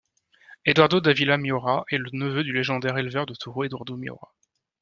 Eduardo Dávila Miura est le neveu du légendaire éleveur de taureaux Eduardo Miura.